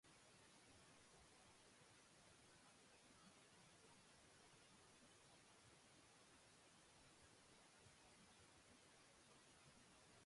Atxilotu batzuek torturatuak izan zirela salatu zuten.